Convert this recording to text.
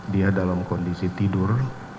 dia dalam kondisi tidur